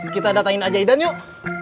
kita datangin aja idan yuk